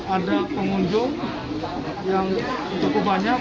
ada pengunjung yang cukup banyak